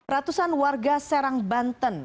ratusan warga serang banten